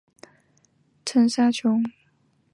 满速儿遂屠城杀掠。